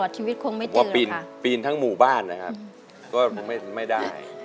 โอ้โหปีนว่าปีนทั้งหมู่บ้านนะครับก็คงไม่ได้